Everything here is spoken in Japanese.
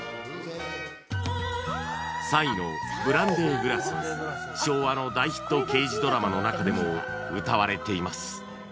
３位の『ブランデーグラス』は昭和の大ヒット刑事ドラマの中でも歌われています